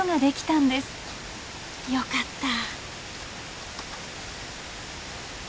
よかった！